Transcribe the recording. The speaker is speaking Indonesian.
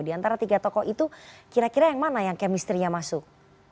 di antara tiga tokoh itu kira kira yang mana yang chemistry nya masuk